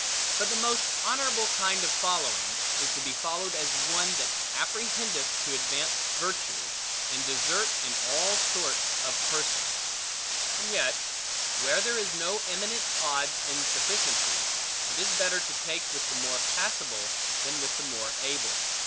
But the most honorable kind of following, is to be followed as one, that apprehendeth to advance virtue, and desert, in all sorts of persons. And yet, where there is no eminent odds in sufficiency, it is better to take with the more passable, than with the more able.